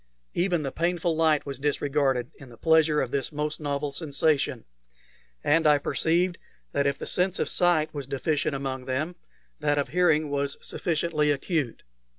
Even the painful light was disregarded in the pleasure of this most novel sensation, and I perceived that if the sense of sight was deficient among them, that of hearing was sufficiently acute.